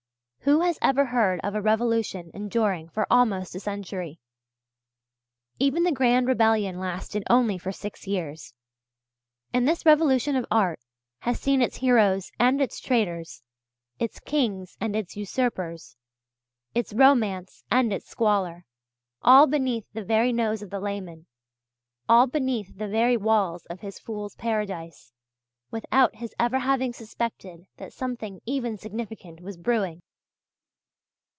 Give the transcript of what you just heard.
Who has ever heard of a revolution enduring for almost a century? Even the Grand Rebellion lasted only for six years. And this revolution of art has seen its heroes and its traitors, its kings, and its usurpers, its romance and its squalor all beneath the very nose of the layman, all beneath the very walls of his fool's paradise, without his ever having suspected that something even significant was brewing.